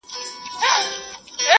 زه سجدې ته وم راغلی تا پخپله یم شړلی-